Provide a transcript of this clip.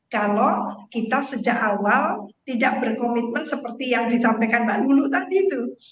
kalau kita sejak awal tidak berkomitmen seperti yang disampaikan mbak lulu tadi itu